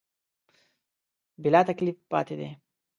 بلاتکلیف پاتې دي.